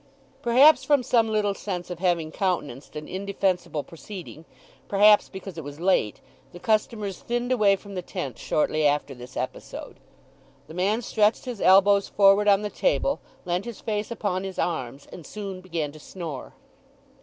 Perhaps from some little sense of having countenanced an indefensible proceeding, perhaps because it was late, the customers thinned away from the tent shortly after this episode. The man stretched his elbows forward on the table leant his face upon his arms, and soon began to snore.